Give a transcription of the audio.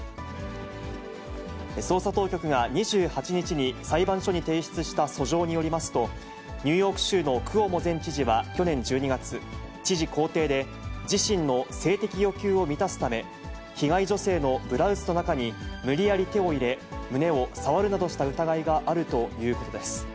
捜査当局が２８日に裁判所に提出した訴状によりますと、ニューヨーク州のクオモ前知事は去年１２月、知事公邸で、自身の性的欲求を満たすため、被害女性のブラウスの中に無理やり手を入れ、胸を触るなどした疑いがあるということです。